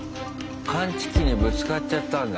感知器にぶつかっちゃったんだ。